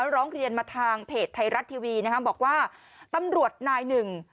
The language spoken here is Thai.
ร้องเรียนมาทางเพจไทยรัฐทีวีนะฮะบอกว่าตำรวจนายหนึ่ง